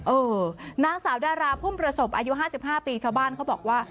นางสาวดาราพุ่มประสบอายุ๕๕ปีชาวบ้านเขาบอกว่า